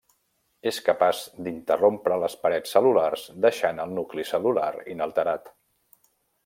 És capaç d'interrompre les parets cel·lulars deixant el nucli cel·lular inalterat.